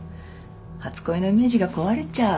初恋のイメージが壊れちゃう。